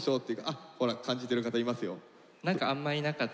あほら感じてる方いますよ。